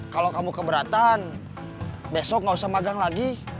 kalau kamu keberatan besok gak usah magang lagi